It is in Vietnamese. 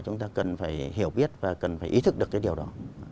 chúng ta cần phải hiểu biết và cần phải ý thức được cái điều đó